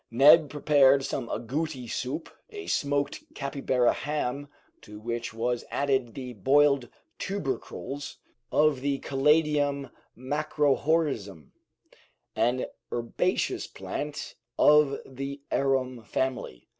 Neb prepared some agouti soup, a smoked capybara ham, to which was added the boiled tubercules of the "caladium macrorhizum," an herbaceous plant of the arum family.